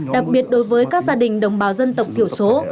đặc biệt đối với các gia đình đồng bào dân tộc thiểu số